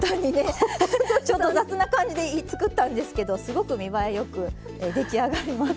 ちょっと雑な感じで作ったんですけどすごく見栄えよく出来上がります。